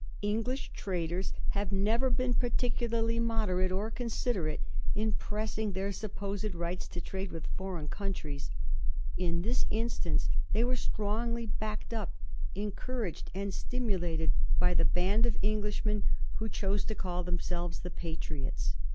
English traders have never been particularly moderate or considerate in pressing their supposed rights to trade with foreign countries. In this instance they were strongly backed up, encouraged, and stimulated by the band of Englishmen who chose to call themselves the ^ Patriots.'